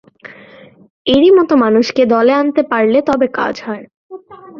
এরই মতো মানুষকে দলে আনতে পারলে তবে কাজ হয়।